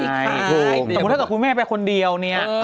แต่ถ้าคุณแม่ไปคนเดียวเนี่ย